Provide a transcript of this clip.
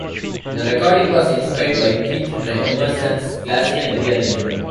The recording was inspired by Keith Emerson's classical rearrangements.